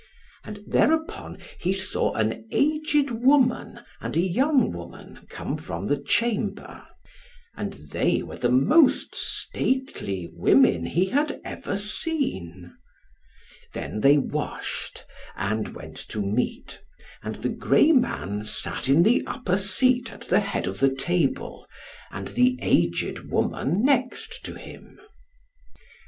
And thereupon he saw an aged woman and a young woman come from the chamber; and they were the most stately women he had ever seen. Then they washed, and went to meat, and the grey man sat in the upper seat at the head of the table, and the aged woman next to him.